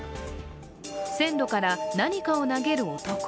線路から、何かを投げる男。